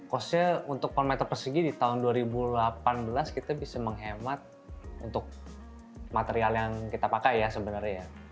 cost nya untuk per meter persegi di tahun dua ribu delapan belas kita bisa menghemat untuk material yang kita pakai ya sebenarnya